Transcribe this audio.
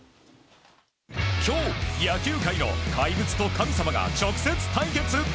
今日、野球界の怪物と神様が直接対決。